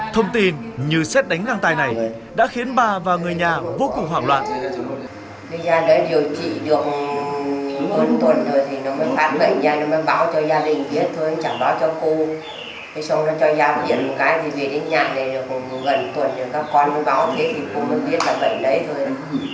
thông tin như xét đánh găng tay này đã khiến bà và người nhà vô cùng hoảng loạn